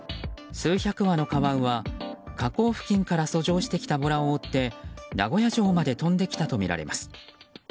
数百羽のカワウは河口付近から遡上してきたボラを追って、名古屋城まで飛んできたとみられます。